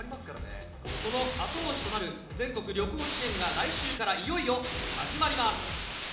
その後押しとなる全国旅行支援が来週からいよいよ始まります。